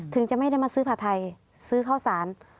ถึงจะไม่ได้มาซื้อผัดไทยซื้อข้าวสาร